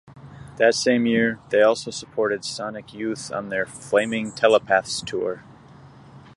That same year, they also supported Sonic Youth on their "Flaming Telepaths Tour".